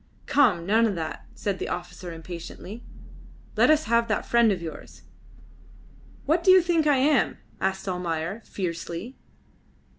"Come! None of that," said the officer impatiently. "Let us have that friend of yours." "What do you think I am?" asked Almayer, fiercely.